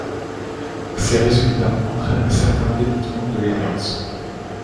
Ces résultats entrainent un certain délitement de l'alliance.